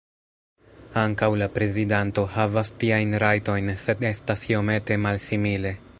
Ankaŭ la prezidanto havas tiajn rajtojn sed estas iomete malsimile.